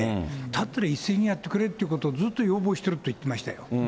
だったら一斉にやってくれということをずっと要望してると言ってましたよ。